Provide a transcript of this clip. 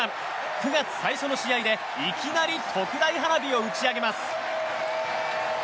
９月最初の試合でいきなり特大花火を打ち上げます。